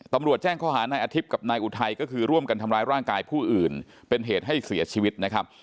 ตำรวจแจ้งข้อหานายอาทิตย์กับนายอุทัยก็คือร่วมกันทำร้ายร่างกายผู้อื่นเป็นเหตุให้เสียชีวิตนะครับ